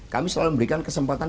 kami selalu memberikan kesempatan